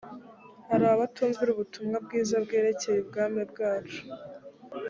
hari abatumvira ubutumwa bwiza bwerekeye umwami wacu